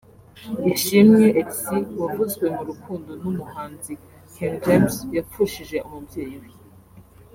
Ishimwe Elcy wavuzwe mu rukundo n’umuhanzi King James yapfushije umubyeyi we